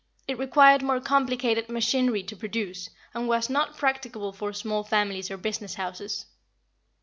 It required more complicated machinery to produce, and was not practicable for small families or business houses.